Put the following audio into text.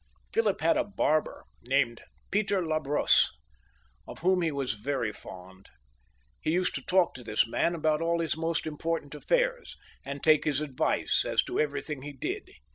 Philip had a barber named Peter la Brosse, of whom he was very fond. He used to talk to this man about all his most important aflfairs, and take his advice as to every thing he did.